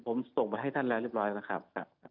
ผมส่งไปให้ท่านแล้วเรียบร้อยแล้วครับ